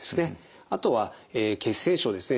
あとは血栓症ですね